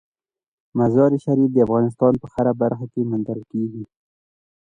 مزارشریف د افغانستان په هره برخه کې موندل کېږي.